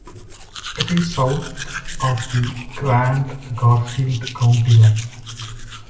It is south of the Grant-Garfield county line.